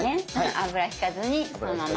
油ひかずにそのまま。